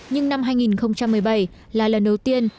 nhưng năm hai nghìn một mươi bảy là lần đầu tiên